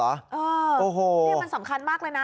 อ้าวมันสำคัญมากเลยนะ